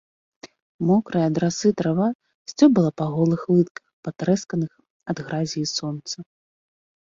Мокрая ад расы трава сцёбала па голых лытках, патрэсканых ад гразі і сонца.